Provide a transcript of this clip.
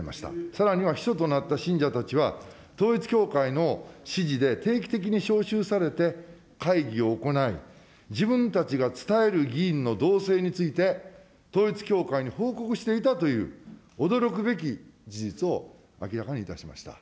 さらには秘書となった信者たちは、統一教会の指示で定期的に招集されて、会議を行い、自分たちが伝える議員の動静について統一教会に報告していたという、驚くべき事実を明らかにいたしました。